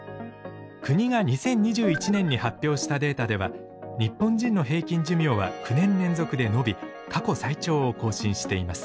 国が２０２１年に発表したデータでは日本人の平均寿命は９年連続で延び過去最長を更新しています。